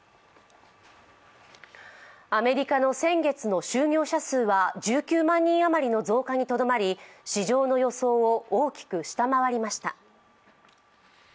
アメリカの先月の就業者数は１９万人余りの増加にとどまり市場の予想を大きく下回りました。